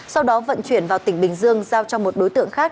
sau đó vận chuyển vào tỉnh bình dương giao cho một đối tượng khác